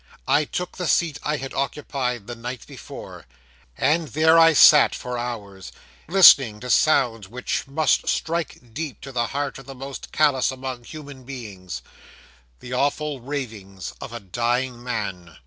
'I took the seat I had occupied the night before, and there I sat for hours, listening to sounds which must strike deep to the heart of the most callous among human beings the awful ravings of a dying man.